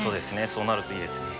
そうなるといいですね。